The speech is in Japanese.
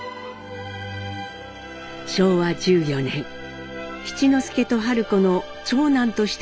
昭和１４年七之助と春子の長男として生まれたのが禎穗。